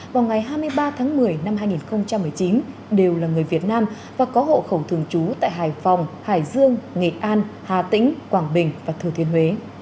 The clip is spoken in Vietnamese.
vào ngày hai mươi ba tháng một mươi năm hai nghìn một mươi chín đều là người việt nam và có hộ khẩu thường trú tại hải phòng hải dương nghệ an hà tĩnh quảng bình và thừa thiên huế